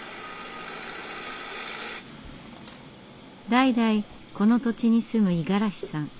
代々この土地に住む五十嵐さん。